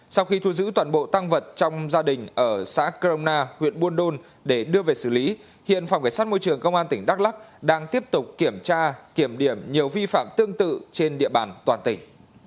sau khi thu giữ toàn bộ tăng vật trong gia đình ở xã crona huyện buôn đôn để đưa về xử lý hiện phòng cảnh sát môi trường công an tỉnh đắk lắc đang tiếp tục kiểm tra kiểm điểm nhiều vi phạm tương tự trên địa bàn toàn tỉnh